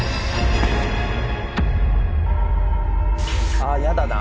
ああやだな。